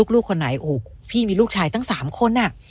ลูกคนไหนพี่มีลูกชายตั้ง๓คน